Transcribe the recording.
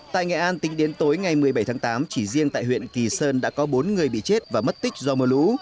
tại nghệ an tính đến tối ngày một mươi bảy tháng tám chỉ riêng tại huyện kỳ sơn đã có bốn người bị chết và mất tích do mưa lũ